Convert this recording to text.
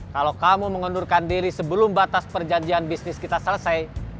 kalau kamu mengundurkan diri sebelum batas perjanjian bisnis kita selesai